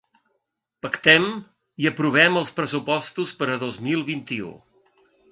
Pactem i aprovem els pressupostos per a dos mil vint-i-u.